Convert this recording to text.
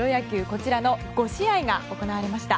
こちらの５試合が行われました。